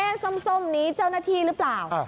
ส้มนี้เจ้าหน้าที่หรือเปล่า